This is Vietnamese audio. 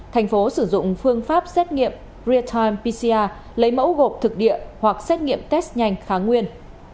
thành phố sử dụng phương pháp xét nghiệm real time pcr lấy mẫu gộp thực địa hoặc xét nghiệm test nhanh kháng nguyên